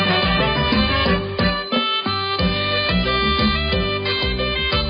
โฮฮะไอ้ยะฮู้ไอ้ยะ